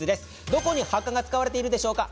どこにハッカが使われているでしょうか。